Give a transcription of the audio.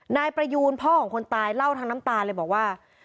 นายประยูนพ่อของคนตายเล่าทั้งน้ำตาเลยบอกว่า